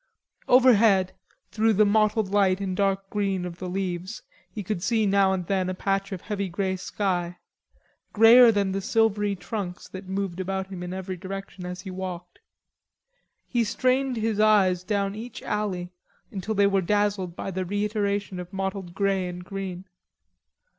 Overhead, through the mottled light and dark green of the leaves he could see now and then a patch of heavy grey sky, greyer than the silvery trunks that moved about him in every direction as he walked. He strained his eyes down each alley until they were dazzled by the reiteration of mottled grey and green.